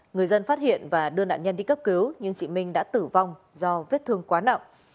người dân phát hiện và đưa nạn nhân đi cấp cứu nhưng chị minh đã tử vong do vết thương quá nặng